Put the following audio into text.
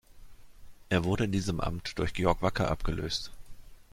Er wurde in diesem Amt durch Georg Wacker abgelöst.